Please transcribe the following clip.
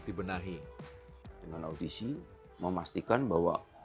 dengan audisi memastikan bahwa